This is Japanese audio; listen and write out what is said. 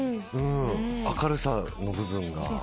明るさの部分が。